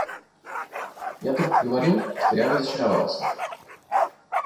Я только говорил, что я разочаровался.